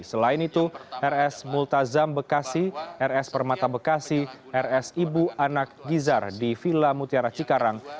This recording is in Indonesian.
selain itu rs multazam bekasi rs permata bekasi rs ibu anak gizar di villa mutiara cikarang